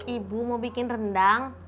ibu mau bikin rendang